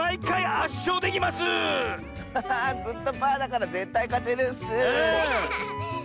ずっとパーだからぜったいかてるッス！